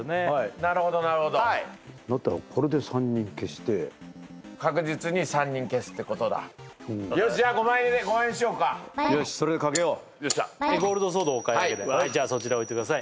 なるほどなるほどだったらこれで３人消して確実に３人消すってことだよしじゃあ５万円ね５万円にしようかよしそれでかけようゴールドソードお買い上げでじゃあそちら置いてください